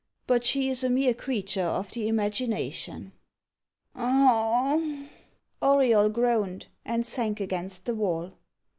"But she is a mere creature of the imagination." Auriol groaned, and sank against the wall.